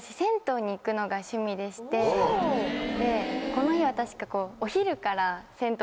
この日は確か。